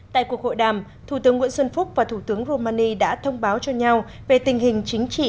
tại cuộc hội đàm thủ tướng nguyễn xuân phúc và thủ tướng romani đã thông báo cho nhau về tình hình chính trị